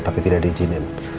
tapi tidak diizinin